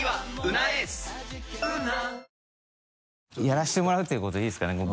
やらせてもらうっていうことでいいですかね？